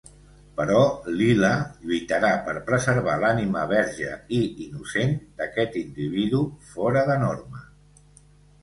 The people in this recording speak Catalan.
Però Lila lluitarà per preservar l'ànima verge i innocent d'aquest individu fora de norma.